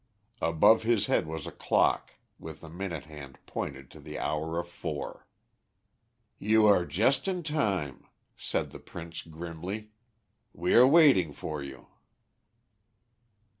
Above his head was a clock, with the minute hand pointed to the hour of four. "You are just in time!" said the Prince grimly; "we are waiting for you!"